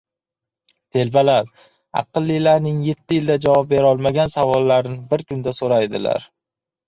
• Telbalar aqllilarning yetti yilda javob berolmagan savollarini bir kunda so‘raydilar.